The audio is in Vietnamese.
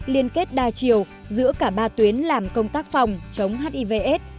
liên kết đa chiều giữa ba tuyến làm công tác phòng chống hivs